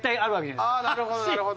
なるほどなるほど。